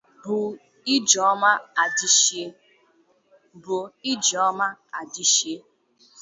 bụ: Ijeoma Adichie